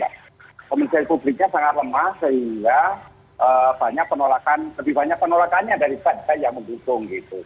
komunikasi publiknya sangat lemah sehingga lebih banyak penolakannya dari partai yang mengusung